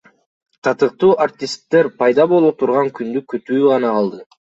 Татыктуу артисттер пайда боло турган күндү күтүү гана калды.